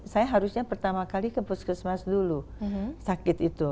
saya harusnya pertama kali ke puskesmas dulu sakit itu